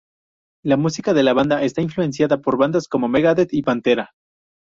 La música de la banda está influenciada por bandas como Megadeth y Pantera.